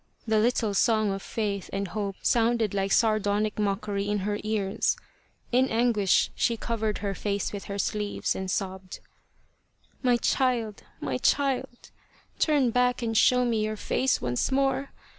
The little song of faith and hope sounded like sardonic mockery in her ears. In anguish she covered her face with her sleeves and sobbed :" My child my child turn back and show me your face once more